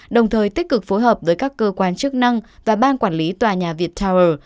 đồng thời tích cực phối hợp với các cơ quan chức năng và bang quản lý tòa nhà viettower